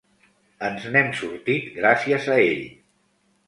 Ens n'hem sortit gràcies a ell.